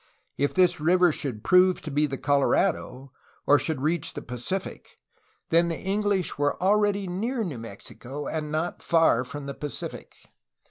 If this river should prove to be the Colorado or should reach the Pacific, then the English were already near New Mexico and not far from the Pacific.